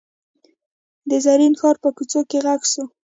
د زرین ښار په کوڅو کې غږ شو.